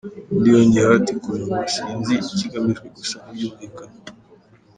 " Undi yongeyeho ati "Ku munwa? Sinzi ikigamijwe gusa ntibyumvikana.